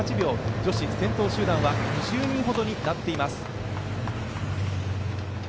女子先頭集団は２０人ほどになっています。